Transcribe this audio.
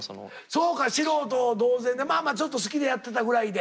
そうか素人同然でまあまあちょっと好きでやってたぐらいで。